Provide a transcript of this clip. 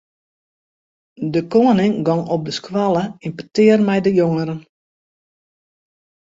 De koaning gong op de skoalle yn petear mei de jongeren.